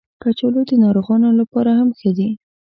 کچالو د ناروغانو لپاره هم ښه دي